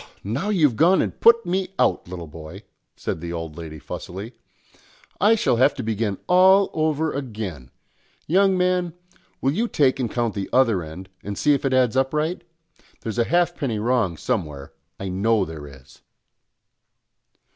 "Now you've gone and put me out, little boy," said the old lady fussily. "I shall have to begin all over again. Young man, will you take and count the other end and see if it adds up right? There's a halfpenny wrong somewhere; I know there is."